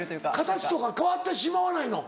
形とか変わってしまわないの？